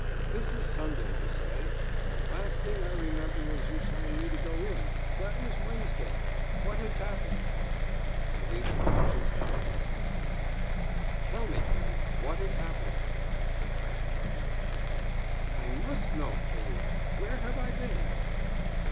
"This is Sunday, you say. The last thing I remember was you telling me to go in—that was Wednesday. What has happened?" Philippe dropped his head in his hands. "Tell me, Philippe, what has happened?" "I cannot." "I must know, Philippe; where have I been?"